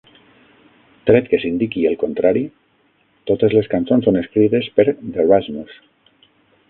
Tret que s'indiqui el contrari, totes les cançons són escrites per The Rasmus.